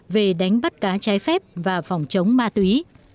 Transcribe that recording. về đánh bắt cá trái phép và phòng chống ma túy